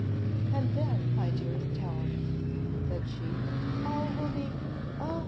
"And then, my dearest Helen," said she, "all will be " "Oh!